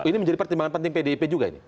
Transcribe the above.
ini menjadi pertimbangan penting pdip juga ini